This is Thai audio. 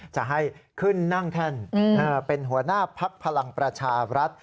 จะให้ขึ้นนั่งแท่นเป็นหัวหน้าพักพลังประชารัฐ